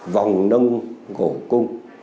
vòng nâng cổ cung